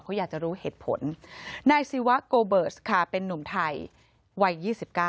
เขาอยากจะรู้เหตุผลนายศิวะโกเบิร์สค่ะเป็นนุ่มไทยวัย๒๙